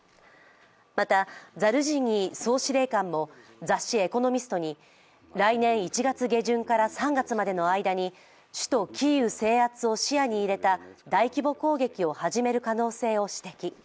また、ザルジニー総司令官も雑誌「エコノミスト」に来年１月下旬から３月までの間に首都キーウ制圧を視野に入れた大規模攻撃を始める可能性を指摘。